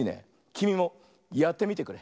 きみもやってみてくれ。